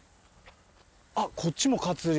あっこっちも活龍。